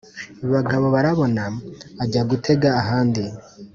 bagabobarabona ajya gutega ahandi.